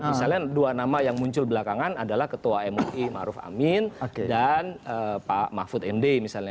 misalnya dua nama yang muncul belakangan adalah ketua mui ma'ruf amin dan pak mahfud nde misalnya